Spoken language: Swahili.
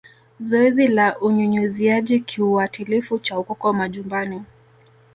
Zoezi la Unyunyiziaji kiuatilifu cha Ukoko majumbani